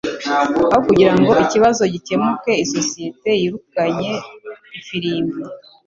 Aho kugirango ikibazo gikemuke, isosiyete yirukanye ifirimbi.